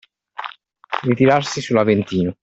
Ritirarsi sull'Aventino.